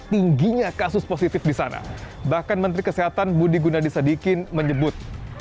tingginya kasus positif di sana bahkan menteri kesehatan budi gunadisadikin menyebut